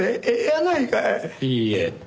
いいえ。